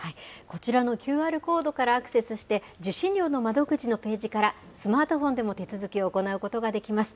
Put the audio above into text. こちらのＱＲコードからアクセスして、受信料の窓口のページから、スマートフォンでも手続きを行うことができます。